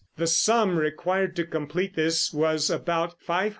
The sum required to complete this was about $500,000.